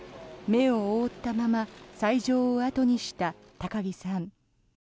目を覆ったまま斎場を後にした高木さん。